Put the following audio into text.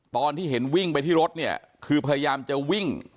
ตอนที่เห็นวิ่งไปที่รถเนี่ยคือพยายามจะวิ่ง